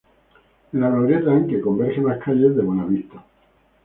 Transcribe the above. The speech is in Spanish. En la glorieta en que convergen las calles de Buenavista, Av.